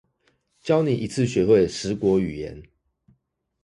教你一次學會十國語言